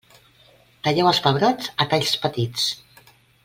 Talleu els pebrots a talls petits.